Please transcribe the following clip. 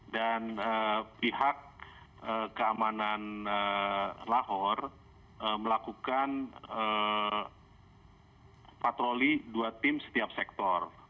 dan pihak keamanan lahore melakukan patroli dua tim setiap sektor